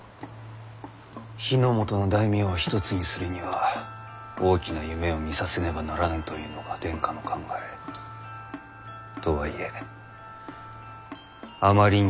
日ノ本の大名を一つにするには大きな夢を見させねばならぬというのが殿下の考え。とはいえあまりに用意が足らぬ。